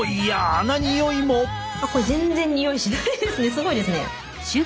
すごいですね。